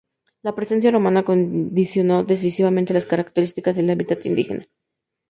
La presencia romana condicionó decisivamente las "características del hábitat" indígena.